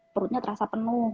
perutnya terasa penuh